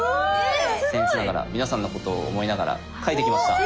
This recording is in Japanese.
せん越ながら皆さんのことを思いながら書いてきました！